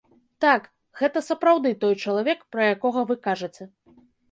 Так, гэта сапраўды той чалавек, пра якога вы кажаце.